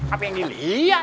apa yang diliat